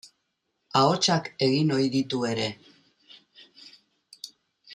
Ahotsak egin ohi ditu ere.